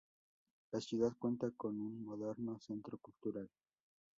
La ciudad cuenta con un moderno centro cultural.